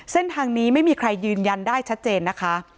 เส้นทางนี้ไม่มีใครยืนยันได้ชัดเจนนะคะ